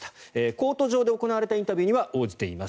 コート上で行われたインタビューには応じています。